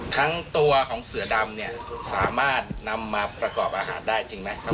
ทั้งตัวของเสือดำเนี่ยสามารถนำมาประกอบอาหารได้จริงไหม